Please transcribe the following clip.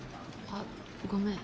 あっごめん。